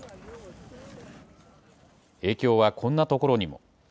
影響はこんなところにも。